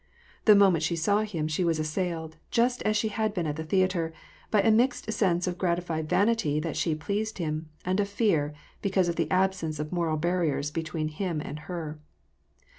The moment she saw him, she was assailed, just as she had been at the theatre, by a mixed sense of gratified vanity that she pleased him, and of fear, because of the absence of moral barriers between her and him.